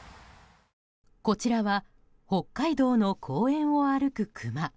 こちらは北海道の公園を歩くクマ。